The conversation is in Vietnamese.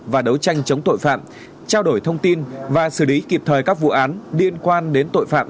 và đấu tranh chống tội phạm trao đổi thông tin và xử lý kịp thời các vụ án liên quan đến tội phạm